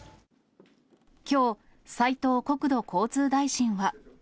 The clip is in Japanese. きょう、斉藤国土交通大臣は。